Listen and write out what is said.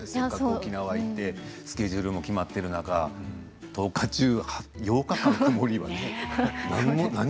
沖縄にいてスケジュールも決まっている中１０日中、８日間、曇りはね。